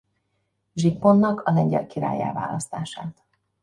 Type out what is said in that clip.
Zsigmondnak a lengyel királlyá választását.